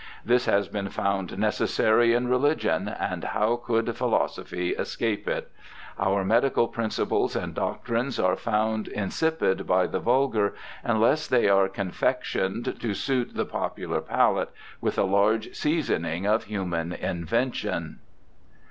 This has been found necessary in religion, and how could philosophy escape it ? Our medical principles and doctrines are found insipid by the vulgar unless they are confectioned to suit the popular palate, with a large seasoning of human invention.'